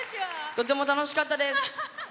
とても楽しかったです！